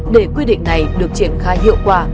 để quy định này được triển khai hiệu quả